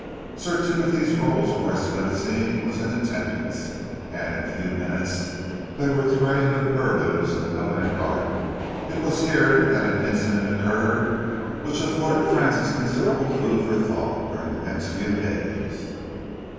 Sir Timothy's Rolls Royce limousine was in attendance, and in a few minutes they were threading the purlieus of Covent Garden. It was here that an incident occurred which afforded Francis considerable food for thought during the next few days.